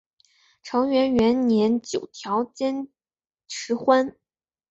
承元元年九条兼实薨。